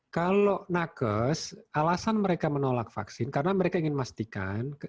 kalau nakes alasan mereka menolak vaksin karena mereka ingin memastikan